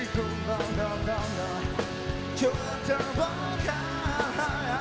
tuhan yang terindah yang terhampa